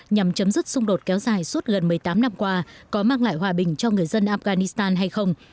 nhằm chấm dứt xung đột kéo dài suốt gần một mươi tám năm qua có mang lại hòa bình cho người dân afghanistan hay không